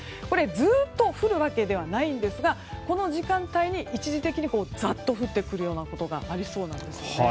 ずっと降るわけではないんですがこの時間帯に一時的にざっと降ってくるようなことがありそうなんですね。